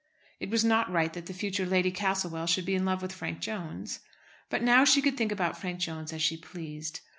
It was not right that the future Lady Castlewell should be in love with Frank Jones. But now she could think about Frank Jones as she pleased.